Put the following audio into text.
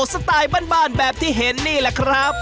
สไตล์บ้านแบบที่เห็นนี่แหละครับ